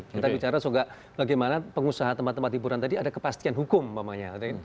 kita bicara juga bagaimana pengusaha tempat tempat hiburan tadi ada kepastian hukum umpamanya